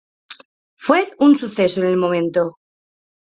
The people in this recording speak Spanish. Fue un suceso en el momento.